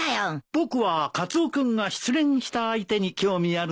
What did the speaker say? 僕はカツオ君が失恋した相手に興味あるね。